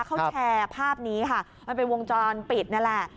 เขาแชร์ภาพนี้ค่ะมันเป็นวงจรปิดนั่นแหละ